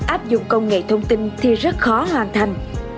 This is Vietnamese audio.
áp dụng công nghệ thông tin thì rất khó hoàn thành